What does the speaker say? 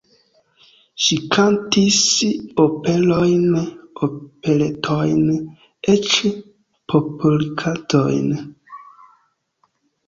Ŝi kantis operojn, operetojn, eĉ popolkantojn.